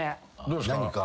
どうですか？